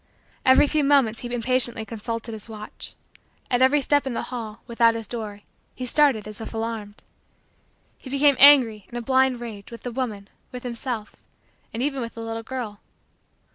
Every few moments he impatiently consulted his watch. At every step in the hall, without his door, he started as if alarmed. He became angry, in a blind rage, with the woman, with himself and even with the little girl.